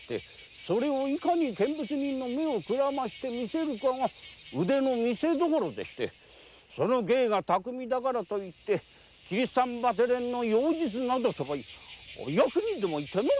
それをいかに見物人の目をくらませて見せるかが腕のみせどころでしてその芸が巧みだからといってキリシタンバテレンの妖術などとは役人ども何を考えておるのか。